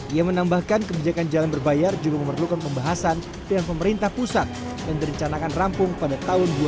ia menambahkan kebijakan jalan berbayar juga memerlukan pembahasan dengan pemerintah pusat yang direncanakan rampung pada tahun dua ribu dua puluh